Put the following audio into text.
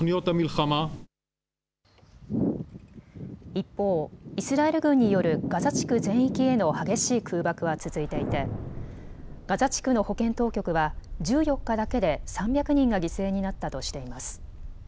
一方、イスラエル軍によるガザ地区全域への激しい空爆は続いていてガザ地区の保健当局は１４日だけで３００人が犠牲になったとしています。